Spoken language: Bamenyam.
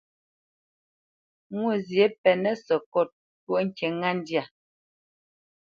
Mwôzyě pɛnǝ́ sǝkôt twóʼ ŋkǐ ŋá ndyâ.